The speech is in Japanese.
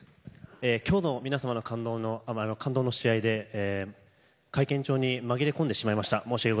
今日の皆様の感動の試合で会見場に紛れ込んでしまいました。